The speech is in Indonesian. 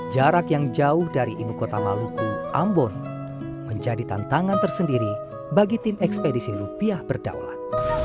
jarak yang jauh dari ibu kota maluku ambon menjadi tantangan tersendiri bagi tim ekspedisi rupiah berdaulat